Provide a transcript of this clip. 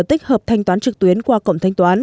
tích hợp thanh toán trực tuyến qua cổng thanh toán